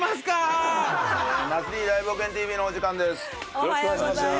よろしくお願いします。